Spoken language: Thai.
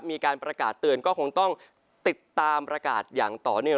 มีการประกาศเตือนก็คงต้องติดตามประกาศอย่างต่อเนื่อง